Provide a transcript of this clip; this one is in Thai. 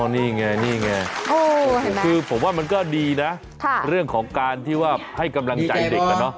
นี่ไงนี่ไงคือผมว่ามันก็ดีนะเรื่องของการที่ว่าให้กำลังใจเด็ก